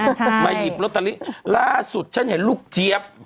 ใช่มาหยิบลอตเตอรี่ล่าสุดฉันเห็นลูกเจี๊ยบ